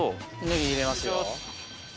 ネギ入れますよ。